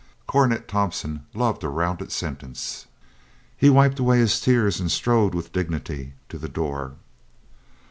Cornet Tompkins loved a rounded sentence. He wiped away his tears and strode with dignity to the door.